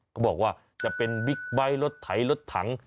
เขาบอกว่าจะเป็นบิ๊กไบท์รถไถรถถัง